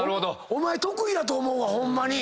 お前得意やと思うわホンマに。